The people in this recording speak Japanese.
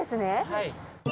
はい。